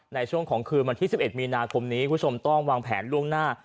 ในช่วงของคืนวันที่๑๑มีนาคมนี้คุณผู้ชมต้องวางแผนล่วงหน้า